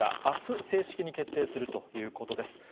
あす、正式に決定するということです。